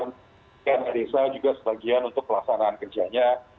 dan menyebabkan dana desa juga sebagian untuk pelaksanaan kerjanya